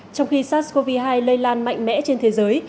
trong khi sars cov hai lây lan mạnh mẽ trên thế giới